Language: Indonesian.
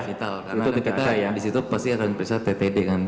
vital karena kita di situ pasti akan bisa ttd kan